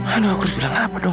aduh aku harus bilang apa dong